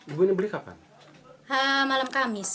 ibu ini beli kapan